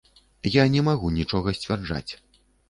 Я не магу нічога сцвярджаць.